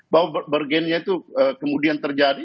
bahwa bargain nya itu kemudian terjadi